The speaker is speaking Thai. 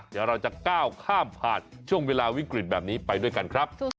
เดี๋ยวเราจะก้าวข้ามผ่านช่วงเวลาวิกฤตแบบนี้ไปด้วยกันครับ